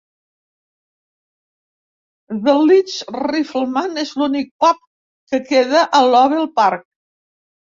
The Leeds Rifleman és l'únic pub que queda a Lovell Park.